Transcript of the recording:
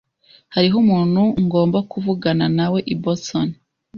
Hariho umuntu ngomba kuvugana nawe i Boston.